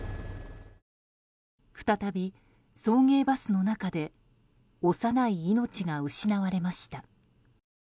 再び送迎バスの中で幼い命が失われました。